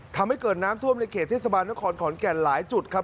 ทำให้เกิดน้ำท่วมในเขตเทศบาลนครขอนแก่นหลายจุดครับ